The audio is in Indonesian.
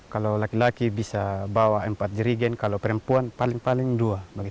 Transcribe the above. kalau laki laki bisa bawa empat jerigen kalau perempuan paling paling dua